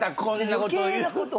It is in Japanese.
余計なこと